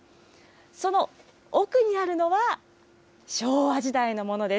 その奥にあるのは、昭和時代のものです。